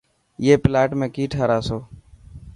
ائي پلاٽ ۾ ڪي ٺاراسو.